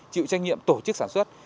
chịu trách nhiệm tổ chức sản xuất